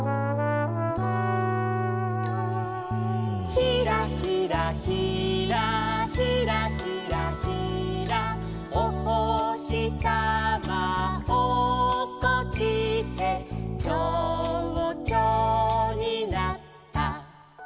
「ひらひらひらひらひらひら」「おほしさまおっこちて」「ちょうちょになった」